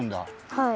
はい。